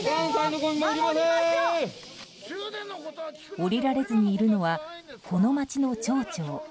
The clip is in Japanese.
降りられずにいるのはこの町の町長。